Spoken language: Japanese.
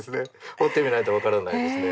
彫ってみないと分からないですね。